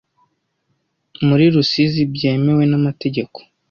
Muri rusizi byemewe n'amategeko